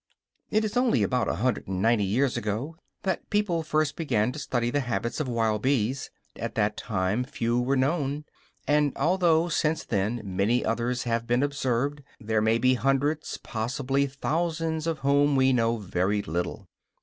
It is only about a hundred and ninety years ago that people first began to study the habits of wild bees; at that time few were known, and although since then many others have been observed, there may be hundreds, possibly thousands, of whom we know very little.